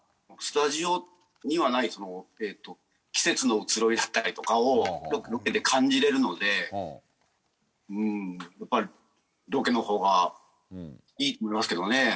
スタジオにはない季節の移ろいだったりとかをロケで感じれるのでやっぱりロケの方がいいと思いますけどね。